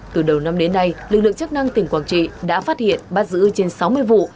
từ đầu năm đến nay lực lượng chức năng tỉnh quảng trị đã phát hiện bắt giữ trên sáu mươi vụ